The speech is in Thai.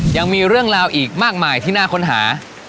ยังมีเรื่องราวอีกมากมายที่น่าค้นหา